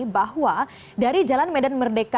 bahwa dari jalan medan merdeka